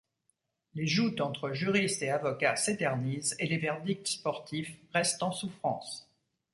Les joutes entre juristes et avocats s’éternisent et les verdicts sportifs restent en souffrance.